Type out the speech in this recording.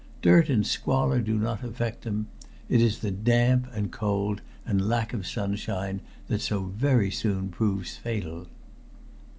Dirt and squalor do not affect them; it is the damp and cold and lack of sunshine that so very soon proves fatal.